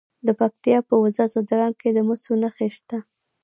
د پکتیا په وزه ځدراڼ کې د مسو نښې شته.